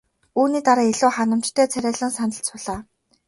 Үүний дараа илүү ханамжтай царайлан сандалд суулаа.